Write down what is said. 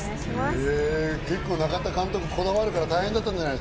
結構、中田監督、こだわるから大変だったんじゃない？